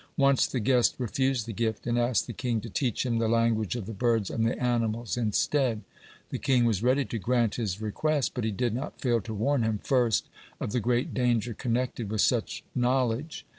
Once the guest refused the gift, and asked the king to teach him the language of the birds and the animals instead. The king was ready to grant his request, but he did not fail to warn him first of the great danger connected with such knowledge.